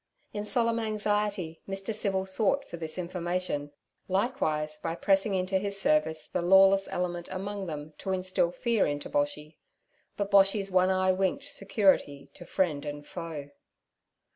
In solemn anxiety Mr. Civil sought for this information, likewise, by pressing into his service the lawless element among them to instil fear into Boshy. But Boshy's one eye winked security to friend and foe.